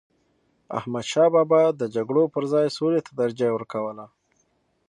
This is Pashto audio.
احمدشاه بابا د جګړو پر ځای سولي ته ترجیح ورکوله.